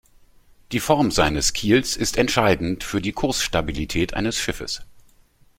Die Form seines Kiels ist entscheidend für die Kursstabilität eines Schiffes.